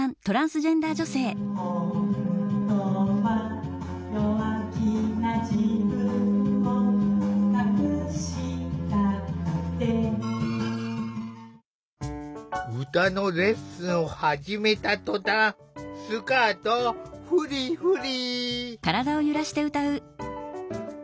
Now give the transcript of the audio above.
本当は弱気な自分を隠したくて歌のレッスンを始めた途端スカートをふりふり。